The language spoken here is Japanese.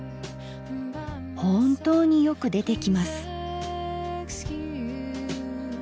本当によく出てきます。